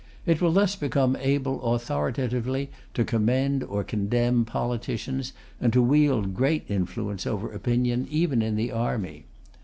It will thus become able authoritatively to commend or condemn politicians and to wield great influence over opinion, even in the army.